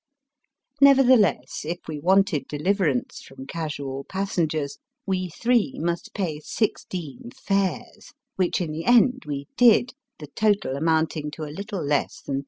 Nevertheless, if we wanted deliverance from casual passengers, we three must pay sixteen fares, which, in the end, we did, the total amounting to a little less than £3.